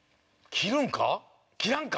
切らんか？